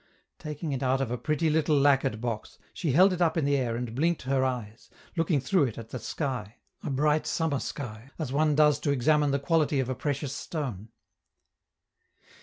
Taking it out of a pretty little lacquered box, she held it up in the air and blinked her eyes, looking through it at the sky a bright summer sky as one does to examine the quality of a precious stone.